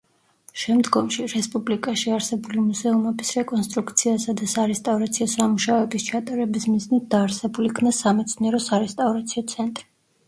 შემდგომში, რესპუბლიკაში არსებული მუზეუმების რეკონსტრუქციასა და სარესტავრაციო სამუშაოების ჩატარების მიზნით დაარსებულ იქნა სამეცნიერო-სარესტავრაციო ცენტრი.